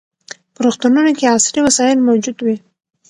په روغتونونو کې عصري وسایل موجود وي.